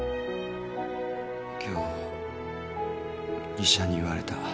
今日医者に言われた。